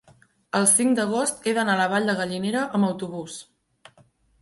El cinc d'agost he d'anar a la Vall de Gallinera amb autobús.